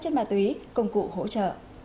chất ma túy công cụ hỗ trợ